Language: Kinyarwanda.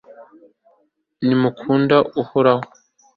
nimukunde uhoraho